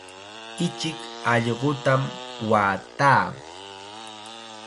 Ichik allqutam waataa.